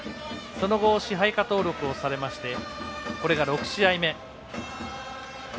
その後、支配下登録をされてその後６試合目。